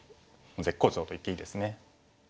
絶好調と言っていいですね。